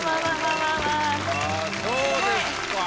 そうですか。